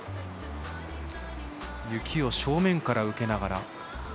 雪を正面から受けながら。